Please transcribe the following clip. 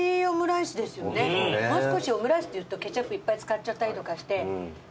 オムライスっていうとケチャップいっぱい使っちゃったりとかして。